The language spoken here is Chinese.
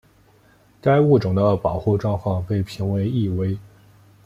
该物种的保护状况被评为易危。